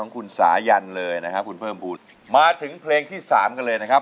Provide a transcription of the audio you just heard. คุณสายันเลยนะครับคุณเพิ่มบุญมาถึงเพลงที่สามกันเลยนะครับ